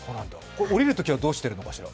下りるときはどうしてるのかしら。